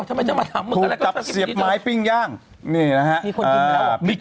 ถ้าไม่จะมาทำมึกอะไรก็เสียบไม้ปิ่งย่างนี่นะฮะมีอ่า